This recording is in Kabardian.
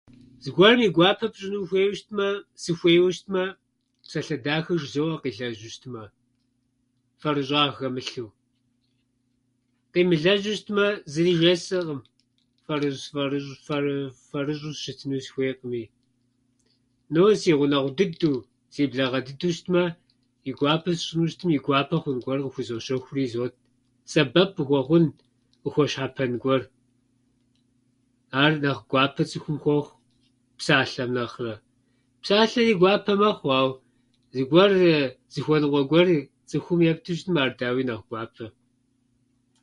Зыгуэрым и гуапэ пщӏыну ухуейуэ щытмэ, сыхуейуэ щытмэ, псалъэ дахэ жызоӏэ къилэжьу щытмэ, фэрыщӏагъ хэмылъу. Къимылэжьу щытмэ, зыри жесӏэкъым. Фэрыщӏ- фэрыщӏ- фэры- фэрыщӏу сыщытыну сыхуейкъыми. Ну, си гъунэгъу дыдэу, си благъэ дыдэу щытмэ, и гуапэ сщӏыну щытмэ, и гуапэ хъун гуэр къыхузощэхури изот. Сэбэп къыхуэхъун, къыхуэщхьэпэн гуэр. Ар нэхъ гуапэ цӏыхум хуохъу псалъэм нэхърэ. Псалъэри гуапэ мэхъу, ауэ зыгуэр, зыхуэныкъуэ гуэр цӏыхум епту щытмэ, ар дауи нэхъ гуапэ.